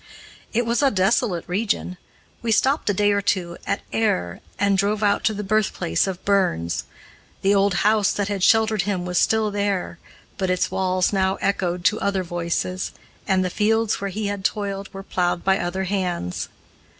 It was a desolate region. We stopped a day or two at Ayr and drove out to the birthplace of Burns. The old house that had sheltered him was still there, but its walls now echoed to other voices, and the fields where he had toiled were plowed by other hands.